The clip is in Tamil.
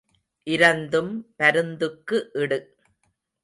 இரந்தும் பருந்துக்கு இடு.